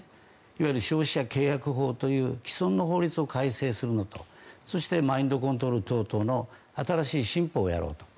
いわゆる消費者契約法という既存の法律を改正するのとマインドコントロール等々の新しい新法をやろうと。